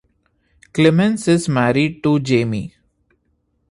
Clements is married to Jamie.